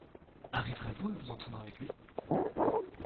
Arriverez-vous à vous entendre avec lui?